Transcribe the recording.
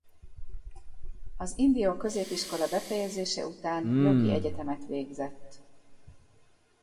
Az Indio Középiskola befejezése után jogi egyetemet végzett.